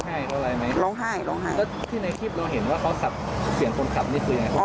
น่าจะไม่ได้ลืมไปเลยไม่ได้สังเกต